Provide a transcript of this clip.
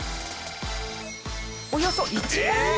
およそ１万円。